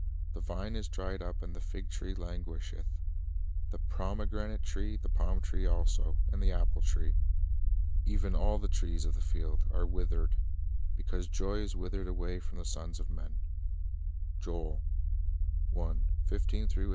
"The vine is dried up, and the fig tree languisheth ; the pomegranate tree, the palm tree also, and the apple tree, even all the trees of the field, are withered; because joy is withered away from the sons of men;' ' "I am pained at my very heart; ...